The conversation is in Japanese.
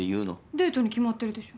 デートに決まってるでしょ。